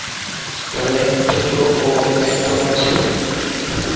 তাদের এক পুত্র ও এক কন্যা ছিল।